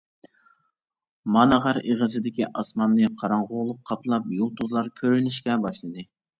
مانا غار ئېغىزىدىكى ئاسماننى قاراڭغۇلۇق قاپلاپ يۇلتۇزلار كۆرۈنۈشكە باشلىدى.